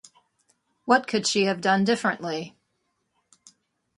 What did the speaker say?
What could she have done differently?